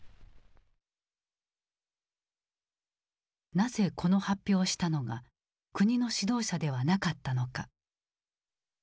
なぜこの発表をしたのが国の指導者ではなかったのか。